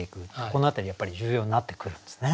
この辺りやっぱり重要になってくるんですね。